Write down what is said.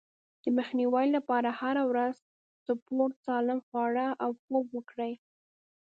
د مخنيوي لپاره هره ورځ سپورت، سالم خواړه او خوب وکړئ.